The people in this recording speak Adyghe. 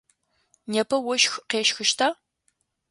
Непэ ощх къещхыщта?